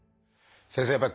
先生